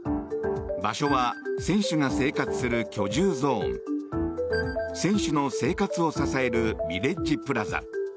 場所は選手が生活する居住ゾーン選手の生活を支えるビレッジプラザ。